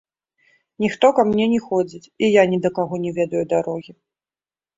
Ніхто ка мне не ходзіць, і я ні да каго не ведаю дарогі.